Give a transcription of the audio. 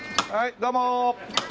どうも。